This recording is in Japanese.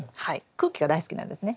空気が大好きなんですね。